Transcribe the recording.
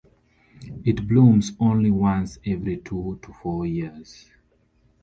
It blooms only once every two to four years.